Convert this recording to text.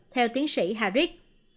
theo tiến sĩ harris